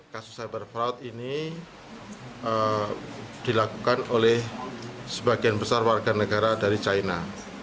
kasus cyber fraud ini dilakukan oleh sebagian besar warga negara dari china